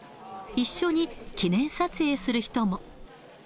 一緒に記念撮影する人も。